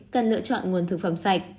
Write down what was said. cần lựa chọn nguồn thực phẩm sạch